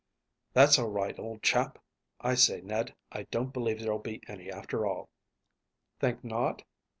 "That's right, old chap. I say, Ned, I don't believe there'll be any, after all." "Think not?"